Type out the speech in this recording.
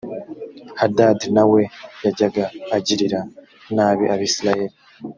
hadadi na we yajyaga agirira nabi abisirayeli